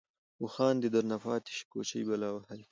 اوښـان دې درنه پاتې شي كوچـۍ بلا وهلې.